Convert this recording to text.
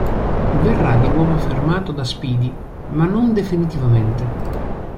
Verrà di nuovo fermato da Spidey ma non definitivamente.